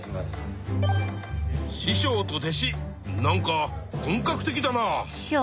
師匠と弟子なんか本格的だな。